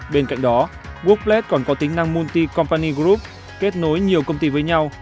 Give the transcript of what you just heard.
bên cạnh đó workplace còn có tính năng multi company group kết nối nhiều công ty với nhau